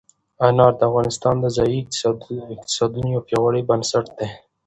انار د افغانستان د ځایي اقتصادونو یو پیاوړی بنسټ دی.